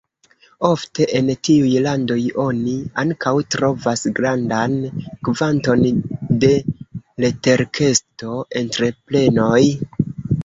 Ofte en tiuj landoj oni ankaŭ trovas grandan kvanton de leterkesto-entreprenoj.